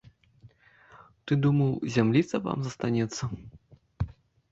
Ты думаў, зямліца вам застанецца?